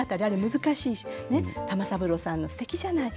難しい玉三郎さんのすてきじゃない。